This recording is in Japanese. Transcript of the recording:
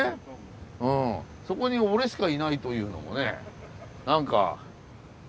そこに俺しかいないというのもね何か。